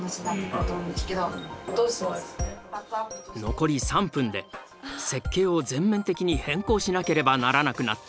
残り３分で設計を全面的に変更しなければならなくなった。